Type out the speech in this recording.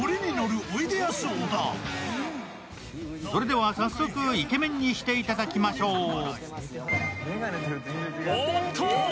それでは早速、イケメンにしていただきましょう。